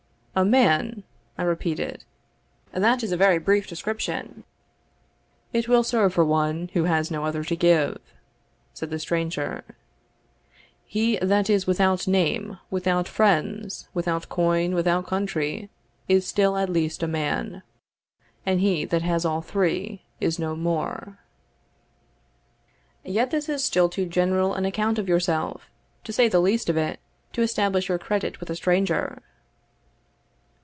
"A man!" I repeated; "that is a very brief description." "It will serve for one who has no other to give," said the stranger. "He that is without name, without friends, without coin, without country, is still at least a man; and he that has all these is no more." "Yet this is still too general an account of yourself, to say the least of it, to establish your credit with a stranger."